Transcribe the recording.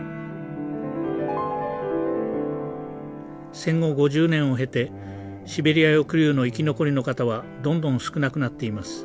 戦後５０年を経てシベリア抑留の生き残りの方はどんどん少なくなっています。